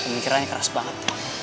pemikirannya keras banget